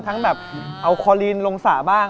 ทั้งแบบโคลีนลงสระบ้าง